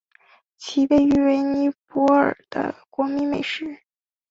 其也被誉为尼泊尔的国民美食。